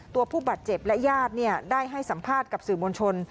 ตัวผู้บาดเจ็บและญาติได้ให้สัมภาษณ์กับสื่อมวลชน